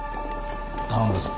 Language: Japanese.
頼んだぞ。